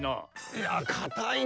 いやかたいね！